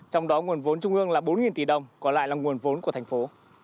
trong đó nguồn vốn trung ương là bốn tỷ đồng còn lại là nguồn vốn của thành phố